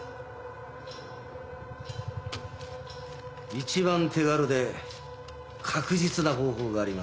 一番手軽で確実な方法があります。